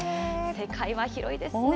世界は広いですね。